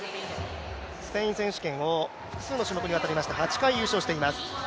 スペイン選手権を、複数の種目にわたりまして８回優勝しています。